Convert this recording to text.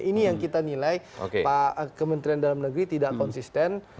ini yang kita nilai pak kementerian dalam negeri tidak konsisten